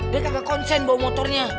dia kagak konsen bawa motornya